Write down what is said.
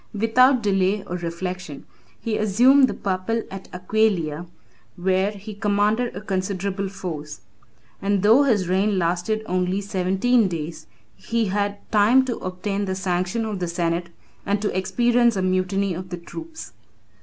Without delay or reflection, he assumed the purple at Aquileia, where he commanded a considerable force; and though his reign lasted only seventeen days, 151 he had time to obtain the sanction of the senate, and to experience a mutiny of the troops.